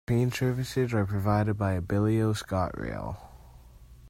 Train services are provided by Abellio ScotRail.